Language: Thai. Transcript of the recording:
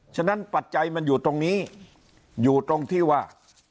ฉะนั้นปัจจัยมันอยู่ตรงนี้อยู่ตรงที่ว่า